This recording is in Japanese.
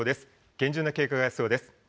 厳重な警戒が必要です。